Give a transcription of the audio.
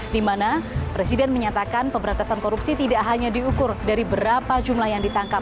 dimana presiden menyatakan pemberantasan korupsi tidak hanya diukur dari berapa jumlah yang ditangkap